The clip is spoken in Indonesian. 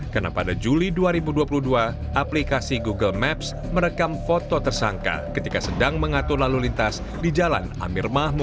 karena pada juli dua ribu dua puluh dua aplikasi google maps merekam foto tersangka ketika sedang mengatur lalulitas di jalan amir mahmud